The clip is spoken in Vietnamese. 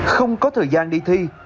không có thời gian đi thi